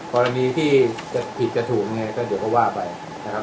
กรณีที่จะผิดจะถูกยังไงก็เดี๋ยวก็ว่าไปนะครับ